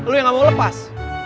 lu yang gak mau lepas